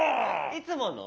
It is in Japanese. いつもの？